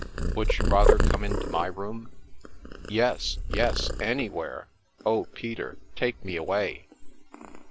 Would you rather come into my room?" " Yes, yes, anywhere ! Oh, Peter, take me away